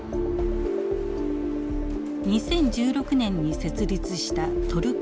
２０１６年に設立したトルコ工場。